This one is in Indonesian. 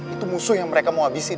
itu musuh yang mereka mau habisin